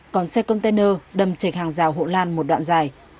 còn xe container đâm trệch hàng rào hộ lan một đoạn dài